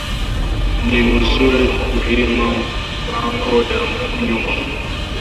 Ni muzuri ku rima mu mpango ya nyumba